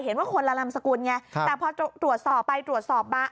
เห็นว่าคนละนามสกุลไงแต่พอตรวจสอบไปตรวจสอบมา